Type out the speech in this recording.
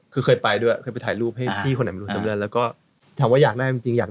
คือเคยไปด้วยเถอะดูให้พี่คนแล้วก็เอามาถามว่าอยากได้เวลามีจริง